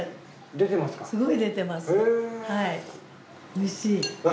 おいしい。